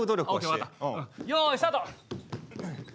よいスタート！